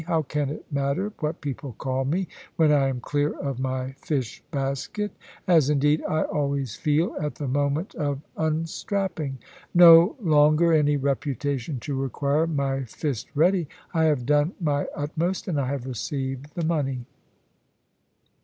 How can it matter what people call me when I am clear of my fish basket? as, indeed, I always feel at the moment of unstrapping. No longer any reputation to require my fist ready. I have done my utmost, and I have received the money.